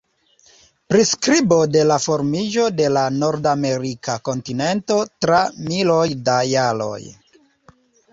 Priskribo de la formiĝo de la nordamerika kontinento tra miloj da jaroj.